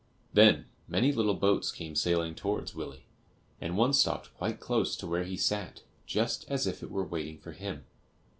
Then many little boats came sailing towards Willie, and one stopped quite close to where he sat, just as if it were waiting for him.